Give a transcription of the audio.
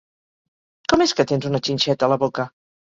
Com és que tens una xinxeta a la boca?